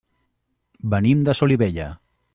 Venim de Solivella.